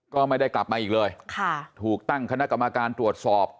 ก็ไม่ได้กลับมาอีกเลยค่ะถูกตั้งคณะกรรมการตรวจสอบ